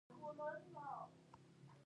پنېر د سوځېدو قوت زیاتوي.